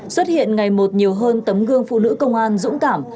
xuất hiện ngày một nhiều hơn tấm gương phụ nữ công an dũng cảm